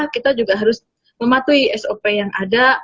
kita juga harus mematuhi sop yang ada